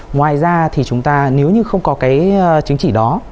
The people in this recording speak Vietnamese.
ngoài ra thì chúng ta nếu như không có cái chứng chỉ đó